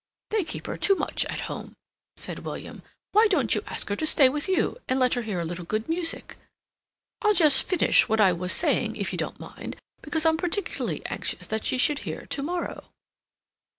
"They keep her too much at home," said William. "Why don't you ask her to stay with you, and let her hear a little good music? I'll just finish what I was saying, if you don't mind, because I'm particularly anxious that she should hear to morrow."